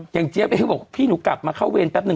อย่างเจ๊บเองบอกพี่หนูกลับมาเข้าเวรแป๊บหนึ่ง